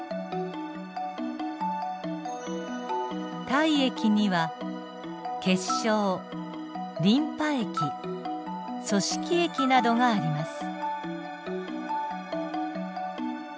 体液には血しょうリンパ液組織液などがあります。